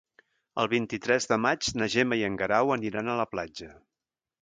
El vint-i-tres de maig na Gemma i en Guerau aniran a la platja.